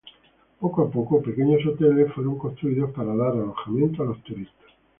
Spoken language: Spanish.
Poco a poco pequeños hoteles fueron construidos para dar alojamiento a los turistas.